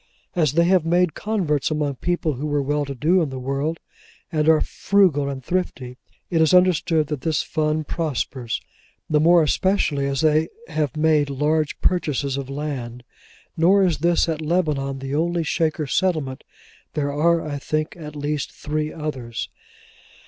As they have made converts among people who were well to do in the world, and are frugal and thrifty, it is understood that this fund prospers: the more especially as they have made large purchases of land. Nor is this at Lebanon the only Shaker settlement: there are, I think, at least, three others.